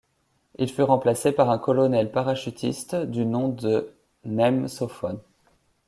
Il fut remplacé par un colonel parachutiste du nom de Nhem Sophon.